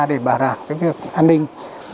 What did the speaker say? để bảo đảm cái việc an ninh